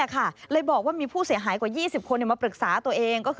เลยบอกว่ามีผู้เสียหายกว่า๒๐คนมาปรึกษาตัวเอง